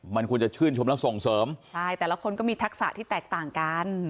มันควรจะชื่นชมและส่งเสริมใช่แต่ละคนก็มีทักษะที่แตกต่างกัน